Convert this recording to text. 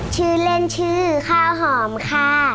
ชื่อเล่นชื่อข้าวหอมค่ะ